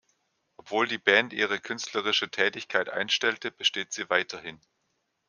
Obwohl die Band ihre künstlerische Tätigkeit einstellte, besteht sie weiterhin.